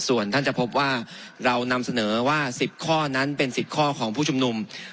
ส่วนท่านจะพบว่าเรานำเสนอว่า๑๐ข้อนั้นเป็น๑๐ข้อของผู้ชุมนุม